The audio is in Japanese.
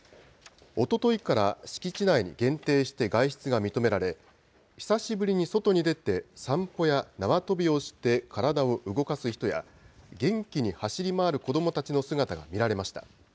おとといから敷地内に限定して外出が認められ、久しぶりに外に出て、散歩や縄跳びをして体を動かす人や、元気に走り回る子どもたちの姿が見られました。